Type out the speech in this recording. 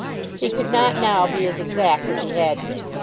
He could not now be as exact as he had been.